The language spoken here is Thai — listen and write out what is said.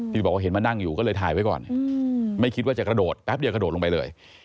ที่บอกว่าเห็นมานั่งอยู่ก็เลยถ่ายไว้ก่อนไม่คิดว่าจะกระโดดแป๊บเดียวกระโดดลงไปเลย